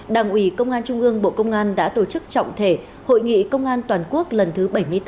đảng ủy công an trung ương bộ công an đã tổ chức trọng thể hội nghị công an toàn quốc lần thứ bảy mươi tám